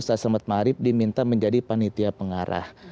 selamat malam diminta menjadi panitia pengarah